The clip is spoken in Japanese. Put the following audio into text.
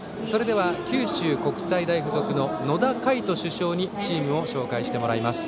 九州国際大付属の野田海人主将にチームを紹介してもらいます。